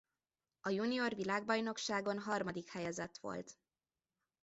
A junior világbajnokságon harmadik helyezett volt.